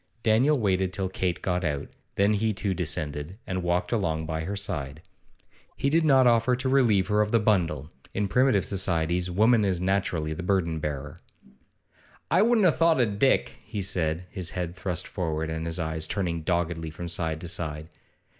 Daniel waited till Kate got out, then he too descended, and walked along by her side. He did not offer to relieve her of the bundle in primitive societies woman is naturally the burden bearer. 'I wouldn't a' thought it o' Dick,' he said, his head thrust forward, and his eyes turning doggedly from side to side.